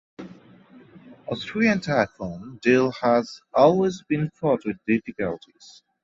The Austrian Typhoon deal has always been fraught with difficulties.